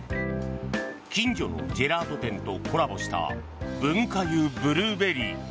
近所のジェラート店とコラボした文化湯ブルーベリー。